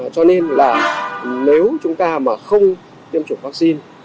cho nên là nếu chúng ta mà không tiêm chủng vắc xin